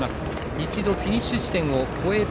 一度、フィニッシュ地点を越えて